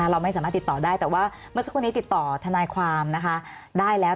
เราไม่สามารถติดต่อได้แต่ว่าเมื่อสักครู่นี้ติดต่อทนายความนะคะได้แล้ว